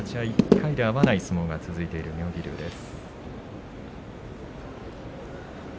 １回で合わない相撲が続いている妙義龍です。